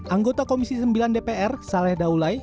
anggota komisi sembilan dpr saleh daulai